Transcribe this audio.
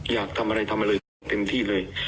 อยากทำอะไรทำอะไรเต็มที่เลย